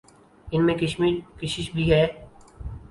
ان میں کشش بھی ہے۔